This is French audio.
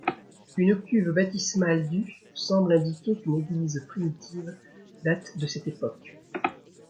Une cuve baptismale du semble indiquer qu'une église primitive date de cette époque.